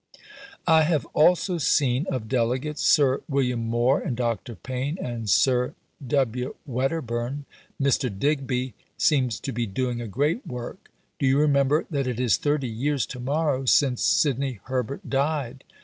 I have also seen (of Delegates) Sir William Moore and Dr. Payne and Sir W. Wedderburn. Mr. Digby seems to be doing a great work. Do you remember that it is 30 years to morrow since Sidney Herbert died?"